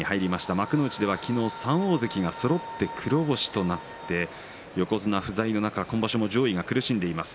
幕内では昨日３大関がそろって黒星となって横綱不在の中、今場所も上位が苦しんでいます。